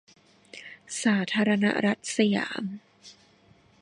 สาธารณรัฐสยาม